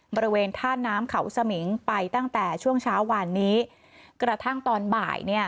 บริเวณท่าน้ำเขาสมิงไปตั้งแต่ช่วงเช้าวานนี้กระทั่งตอนบ่ายเนี่ย